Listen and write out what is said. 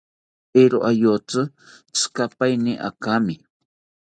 Tee ayotzi tzikapaeteni akami